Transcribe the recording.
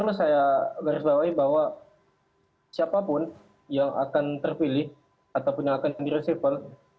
perlu saya garis bawahi bahwa siapapun yang akan terpilih ataupun yang akan di resipl